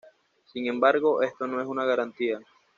Sin embargo, esto no es una garantía.